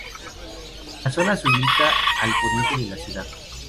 La zona se ubica al poniente de la ciudad.